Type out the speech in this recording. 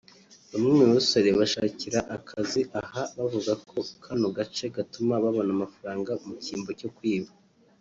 bamwe mu basore bashakira akazi aha bavuga ko kano gace gatuma babona amafaranga mu kimbo cyo kwiba